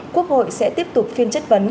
quốc hội sẽ tiếp tục phiên chất vấn